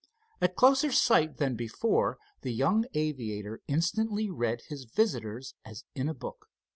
At closer sight than before the young aviator instantly read his visitors as in a book.